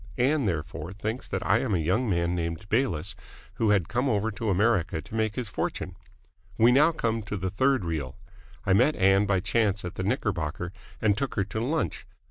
Ann, therefore, thinks that I am a young man named Bayliss who has come over to America to make his fortune. We now come to the third reel. I met Ann by chance at the Knickerbocker and took her to lunch.